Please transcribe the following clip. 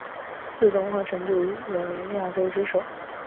自动化程度为亚洲之首。